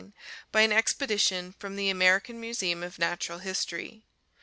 Texas, in 1899 by an expedition from the American Museum of Natural History.